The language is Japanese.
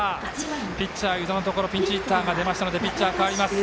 ピッチャー、湯田のところピンチヒッターが出ましたのでピッチャー代わります。